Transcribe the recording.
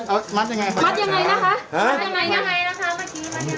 อ๋ออาจารย์เหมือนไง